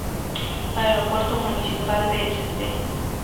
Aeropuerto Municipal de St.